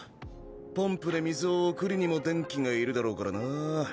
ポンプで水を送るにも電気がいるだろうからなぁ。